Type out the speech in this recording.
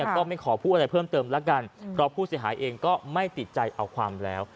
ก็ไม่ขอพูดอะไรเพิ่มเติมแล้วกันเพราะผู้เสียหายเองก็ไม่ติดใจเอาความแล้ว